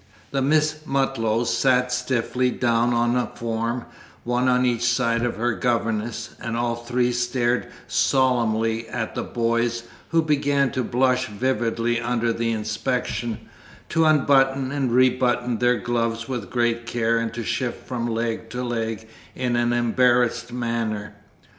The Miss Mutlows sat stiffly down on a form, one on each side of her governess, and all three stared solemnly at the boys, who began to blush vividly under the inspection, to unbutton and rebutton their gloves with great care, and to shift from leg to leg in an embarrassed manner.